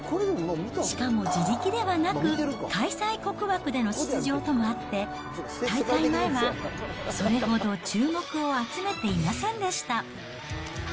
しかも自力ではなく、開催国枠での出場とあって、大会前はそれほど注目を集めていませんでした。